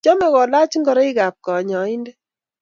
Chamei kolach ngoroik ab kanyaindet